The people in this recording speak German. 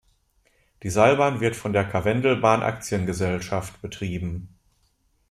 Die Seilbahn wird von der "Karwendelbahn Aktiengesellschaft" betrieben.